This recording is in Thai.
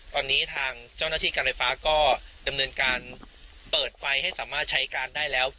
ตอนนี้ทางเจ้าหน้าที่การไฟฟ้าก็ดำเนินการเปิดไฟให้สามารถใช้การได้แล้ว